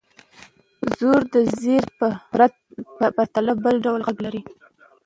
زور د زېر په پرتله بل ډول غږ لري.